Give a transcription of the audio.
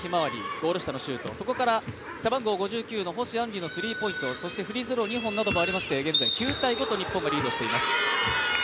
ゴール下のシュート、そこから背番号５９の星杏璃のスリーポイントシュートフリースローの２本などありまして現在９−５と日本がリードしています。